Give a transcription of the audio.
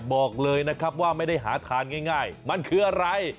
บอกเลยนะครับว่าไม่ได้หาทานง่ายมันคืออะไร